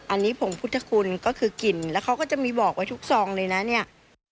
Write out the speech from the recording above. อันนี้ผงพุทธคุณก็คือกลิ่นแล้วเขาก็จะมีบอกไว้ทุกซองเลยนะเนี่ย